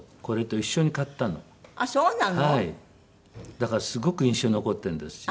だからすごく印象に残ってるんですよ。